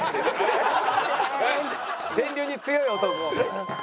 「電流に強い男」